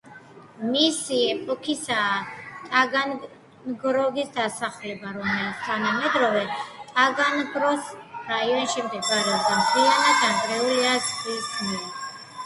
მისი ეპოქისაა ტაგანროგის დასახლება, რომელიც თანამედროვე ტაგანროგის რაიონში მდებარეობს და მთლიანად დანგრეულია ზღვის მიერ.